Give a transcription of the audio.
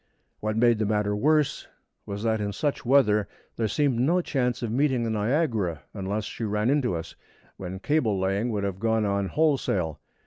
What made the matter worse was that in such weather there seemed no chance of meeting the Niagara unless she ran into us, when cable laying would have gone on wholesale.